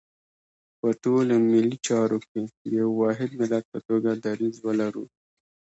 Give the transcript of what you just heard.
په ټولو ملي چارو کې د یو واحد ملت په توګه دریځ ولرو.